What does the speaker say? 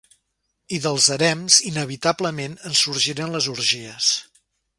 I dels harems, inevitablement, en sorgiren les orgies.